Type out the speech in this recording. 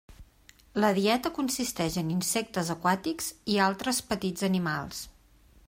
La dieta consisteix en insectes aquàtics i altres petits animals.